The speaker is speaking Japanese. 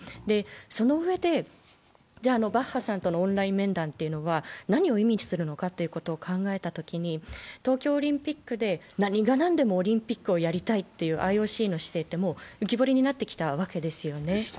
そのうえで、バッハさんとのオンライン面談というのは何を意味するのかを考えたときに、東京オリンピックで何が何でもオリンピックをやりたいというＩＯＣの姿勢って浮き彫りになってきたわけですよね。